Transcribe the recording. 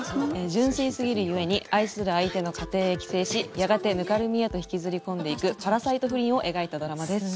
純粋すぎる故に愛する相手の家庭へ寄生しやがてぬかるみへと引きずり込んでいくパラサイト不倫を描いたドラマです。